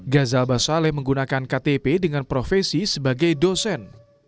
gazal basaleh menggunakan ktp dengan profesi sebagai dosen